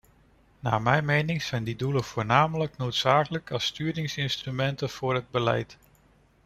Naar mijn mening zijn die doelen vooral noodzakelijk als sturingsinstrumenten voor het beleid.